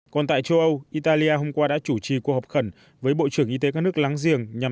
còn tại châu âu italia hôm qua đã chủ trì cuộc họp khẩn với bộ trưởng y tế các nước láng giềng nhằm